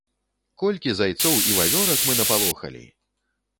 Колькі зайцоў і вавёрак мы напалохалі!